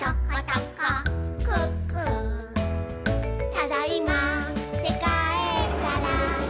「ただいまーってかえったら」